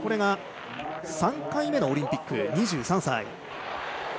３回目のオリンピック、２３歳。